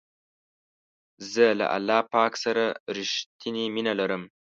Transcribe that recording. زه له الله پاک سره رښتنی مینه لرم.